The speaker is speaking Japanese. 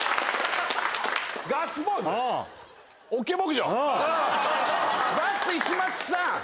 ガッツ石松さん